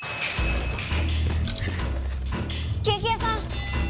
ケーキ屋さん！